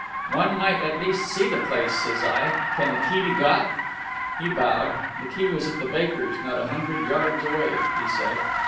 "'One might at least see the place,' says I. 'Can the key be got?' "He bowed. The key was at the baker's, not a hundred yards away, he said....